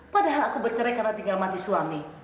padahal aku bercerai karena tinggal mati suami